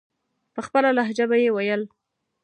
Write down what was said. په خپله لهجه به یې ویل.